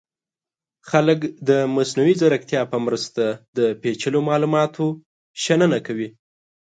خلک د مصنوعي ځیرکتیا په مرسته د پیچلو معلوماتو شننه کوي.